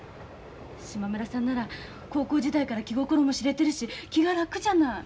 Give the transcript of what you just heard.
島村さんなら高校時代から気心も知れてるし気が楽じゃない！